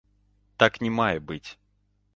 Так не мае быць.